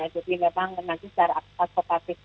jadi memang nanti secara